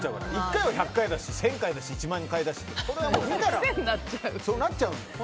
１回は１００回だし１０００回だし、１万回だしそうなっちゃう。